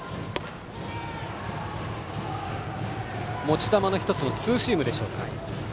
持ち球の１つのツーシームでしょうか。